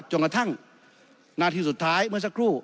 กระทั่งนาทีสุดท้ายเมื่อสักครู่